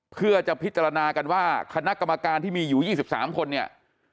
เพื่อจะพิจารณากันว่าคณะกรรมการที่มีอยู่๒๓คนเนี่ย